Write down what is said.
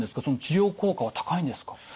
その治療効果は高いんですか？